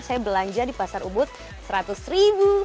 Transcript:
saya belanja di pasar ubud seratus ribu